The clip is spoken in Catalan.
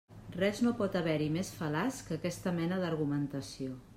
Res no pot haver-hi més fal·laç que aquesta mena d'argumentació.